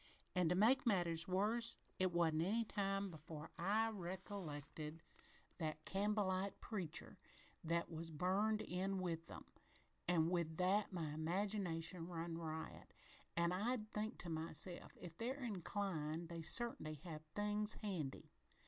"An', to make matters worse, it wasn't any time before I recollected that Campbellite preacher thet was burned in with them, an' with that my imagination run riot, an' I'd think to myself, 'If they're inclined, they cert'n'y have things handy!'